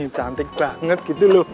cantik banget gitu loh